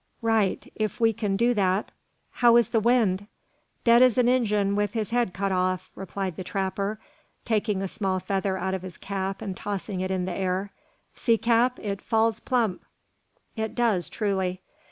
"Right; if we can do that. How is the wind?" "Dead as an Injun wi' his head cut off," replied the trapper, taking a small feather out of his cap and tossing it in the air. "See, cap, it falls plump!" "It does, truly."